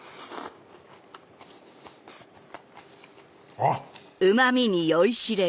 あっ！